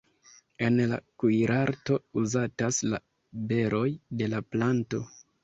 En la kuirarto uzatas la beroj de la planto.